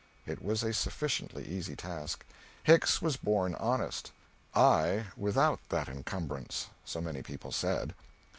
It was a sufficiently easy task. Hicks was born honest; I, without that incumbrance so some people said.